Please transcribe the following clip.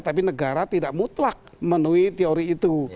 tapi negara tidak mutlak menuhi teori itu